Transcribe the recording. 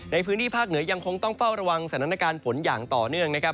ในพื้นที่ภาคเหนือยังคงต้องเฝ้าระวังสถานการณ์ฝนอย่างต่อเนื่องนะครับ